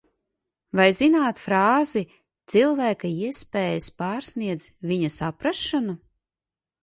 "Vai zināt frāzi "Cilvēka iespējas pārsniedz viņa saprašanu"?"